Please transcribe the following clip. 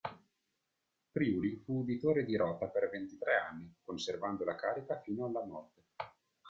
Priuli fu uditore di Rota per ventitré anni, conservando la carica fino alla morte.